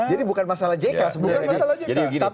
jadi bukan masalah jk sebenarnya